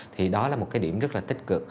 thì đó là một cái điểm rất là tích cực